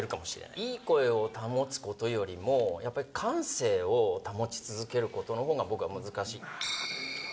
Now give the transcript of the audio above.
いい声を保つことよりも、やっぱり感性を保ち続けることのほうが、僕は難しい。